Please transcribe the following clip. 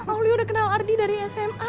maulio udah kenal ardi dari sma